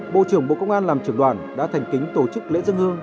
bộ trưởng bộ công an làm trưởng đoàn đã thành kính tổ chức lễ dân hương